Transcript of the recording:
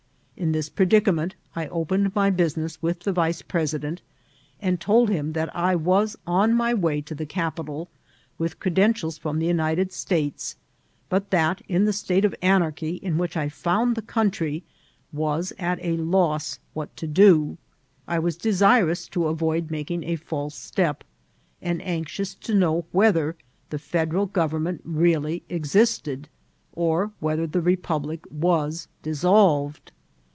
In this predicament I opened my business with the vice president, and told him that I was on my way to the capital, with credenticJs from the United States ; but that, in the state of anarchy in which I found the country, was at a loss what to do ; I was desirous to avoid making a false step, and anxious to know whether the Federal Government really existed, or whether the Bepublic was dissolved.